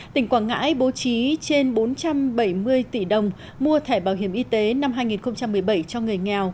tỉnh quảng ngãi bố trí trên bốn trăm bảy mươi tỷ đồng mua thẻ bảo hiểm y tế năm hai nghìn một mươi bảy cho người nghèo